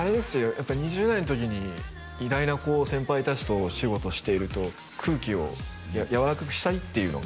やっぱり２０代のときに偉大なこう先輩達とお仕事していると空気をやわらかくしたいっていうのがあったりしますけど